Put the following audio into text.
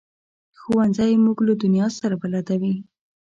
ښوونځی موږ له دنیا سره بلدوي